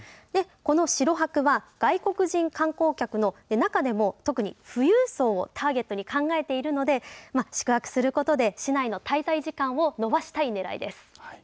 この城泊は外国人観光客の中でも特に富裕層をターゲットに考えているので宿泊することで市内の滞在時間を伸ばしたいねらいです。